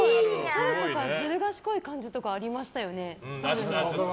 サルはずる賢い感じありましたよね。